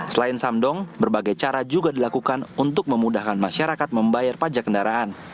selain samdong berbagai cara juga dilakukan untuk memudahkan masyarakat membayar pajak kendaraan